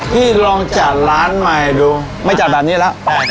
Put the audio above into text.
พี่ลองจัดร้านใหม่ดูไม่จัดแบบนี้แล้ว